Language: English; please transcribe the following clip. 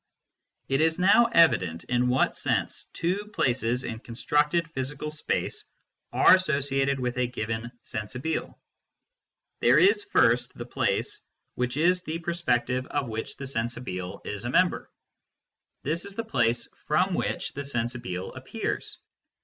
It is now evident in what sense two places in con structed physical space are associated with a given " sensibile." There is first the place which is the per SENSE DATA AND PHYSICS 163 spective of which the " sensibile " is a member. This is the place from which the " sensibile " appears.